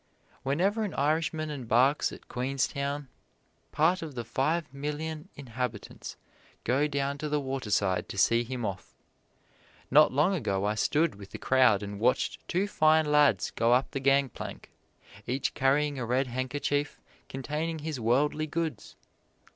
Whenever an Irishman embarks at Queenstown, part of the five million inhabitants go down to the waterside to see him off. Not long ago I stood with the crowd and watched two fine lads go up the gangplank, each carrying a red handkerchief containing his worldly goods.